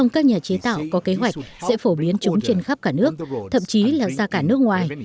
các nhà chế tạo có kế hoạch sẽ phổ biến chúng trên khắp cả nước thậm chí là ra cả nước ngoài